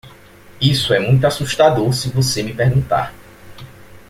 Isso é muito assustador se você me perguntar.